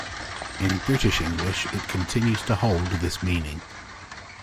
In British English it continues to hold this meaning.